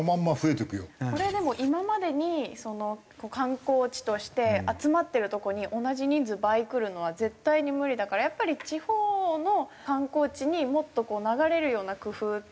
これでも今までに観光地として集まってるとこに同じ人数倍来るのは絶対に無理だからやっぱり地方の観光地にもっと流れるような工夫をすれば。